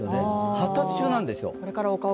発達中なんですよ。